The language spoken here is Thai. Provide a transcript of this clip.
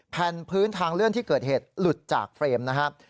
แผ่นพื้นทางเลื่อนที่เกิดเหตุหลุดจากเฟรมนะครับ